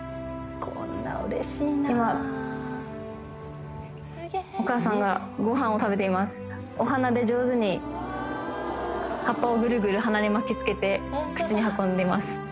こんなうれしいなお母さんがご飯を食べていますお鼻で上手に葉っぱをグルグル鼻に巻きつけて口に運んでます